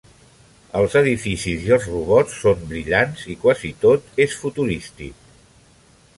Els edificis i els robots son brillants i quasi tot és futurístic.